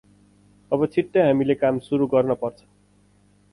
अब छिटै हामीले काम सुरु गर्न पर्छ ।